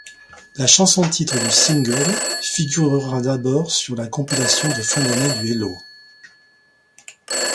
La chanson-titre du single figurera d'abord sur la compilation de fin d'année du Hello!